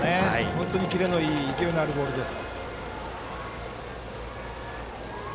本当にキレのいい勢いのあるボールです。